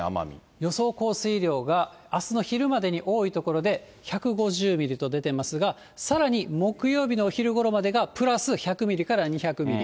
予想降水量が、あすの昼までに、多い所で１５０ミリと出てますが、さらに木曜日のお昼ごろまでがプラス１００ミリから２００ミリ。